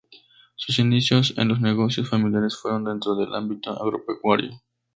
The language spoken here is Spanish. Sus inicios en los negocios familiares fueron dentro del ámbito agropecuario.